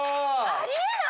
あり得ない！